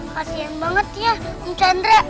kasian banget ya bung chandra